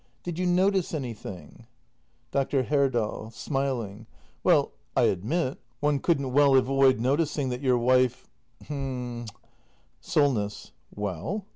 Did you notice anything ? Dr. Herdal. [Smiling.] Well, I admit — one couldn't well avoid noticing that your wife — h'm SOLNESS. Well?